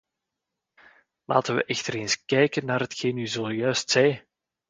Laten wij echter eens kijken naar hetgeen u zojuist zei!